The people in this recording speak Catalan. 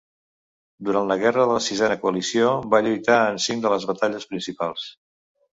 Durant la Guerra de la Sisena Coalició va lluitar en cinc de les batalles principals.